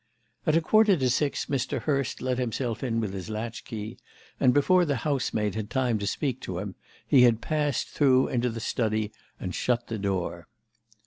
"At a quarter to six Mr. Hurst let himself in with his latchkey, and before the housemaid had time to speak to him he had passed through into the study and shut the door.